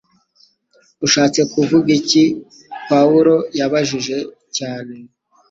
Ushatse kuvuga iki?' Pawulo yabajije cyane